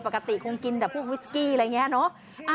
ปกติคงกินแต่พวกวิสกี้อะไรอย่างนี้เนอะ